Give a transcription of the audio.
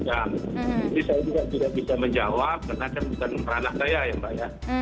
jadi saya juga tidak bisa menjawab karena itu bukan peranah saya ya mbak ya